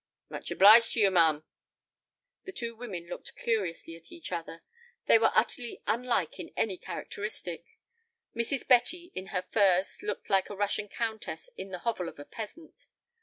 "Much obliged to you, ma'am." The two women looked curiously at each other. They were utterly unlike in any characteristic. Mrs. Betty in her furs looked like a Russian countess in the hovel of a peasant.